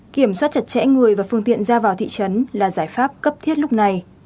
kiểm soát chặt chẽ người và phương tiện ra vào thị trấn là giải pháp cấp thiết lúc này